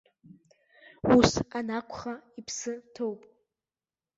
Ус анакәха иԥсы ҭоуп!